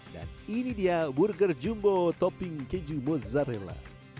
ini dia burger jumbo topping keju mozzarella